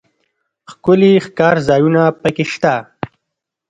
ښکلي ښکارځایونه پکښې شته.